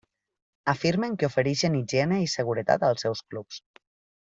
Afirmen que ofereixen higiene i seguretat als seus clubs.